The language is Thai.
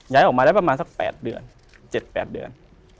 ย้ายออกมาได้ประมาณสัก๘เดือน๗๘เดือน